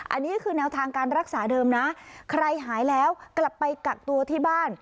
อันนี้คือแนวทางการรักษาเดิมนะใครหายแล้วกลับไปกักตัวที่บ้าน